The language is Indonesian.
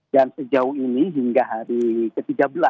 dan sejauh ini hingga hari ke tiga belas